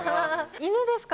犬ですか？